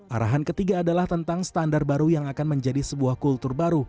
arahan ketiga adalah tentang standar baru yang akan menjadi sebuah kultur baru